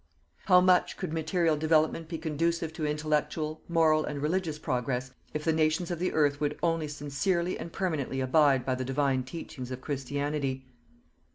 How much could material development be conducive to intellectual, moral and religious progress, if the Nations of the Earth would only sincerely and permanently abide by the Divine teachings of Christianity.